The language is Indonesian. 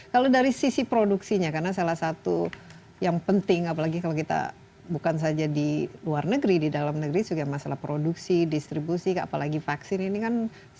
kalau dari sisi produksinya karena salah satu yang penting apalagi kalau kita bukan saja di luar negeri di dalam negeri juga masalah produksi distribusi apalagi vaksin ini kan